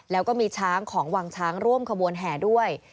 แล้วก็มีช้างของวังช้างร่วมขบวนแห่ด้วย